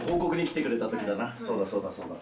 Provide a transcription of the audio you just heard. そうだそうだそうだ。